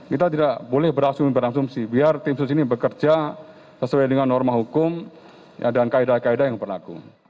kita tidak boleh berasumsi berasumsi biar tim sus ini bekerja sesuai dengan norma hukum dan kaedah kaedah yang berlaku